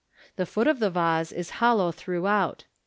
The foot of the vase is hollow throughout.